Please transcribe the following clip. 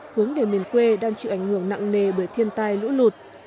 hướng về miền quê đang chịu ảnh hưởng nặng nề bởi thiên tai lũ lụt